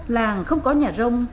làng không có nhà rông